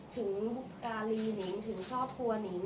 ถึงบุกรีหนึ่งถึงครอบครัวหนึ่ง